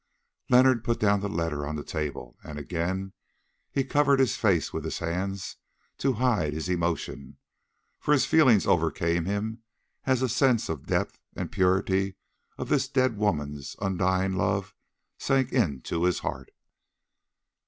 Leonard put down the letter on the table, and again he covered his face with his hand to hide his emotion, for his feelings overcame him as a sense of the depth and purity of this dead woman's undying love sank into his heart.